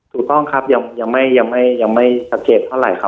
ถูกต้องครับยังไม่สังเกตเท่าไหร่ครับ